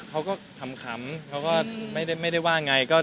เขาก็ขำเขาก็ไม่ได้ว่าไง